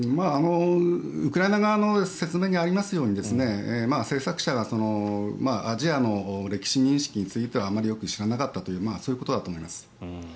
ウクライナ側の説明にありますように制作者がアジアの歴史認識についてはあまりよく知らなかったということだと思います。